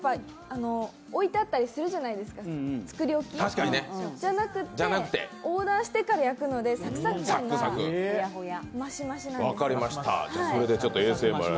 置いてあったりするじゃないですか、作り置きじゃなくて、オーダーしてから焼くのでサクサク感が増し増しなんです分かりました。